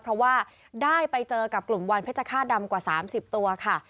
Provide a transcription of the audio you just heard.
เพราะว่าได้ไปเจอกับกลุ่มวันเพชรฆาตดำกว่า๓๐ตัวค่ะ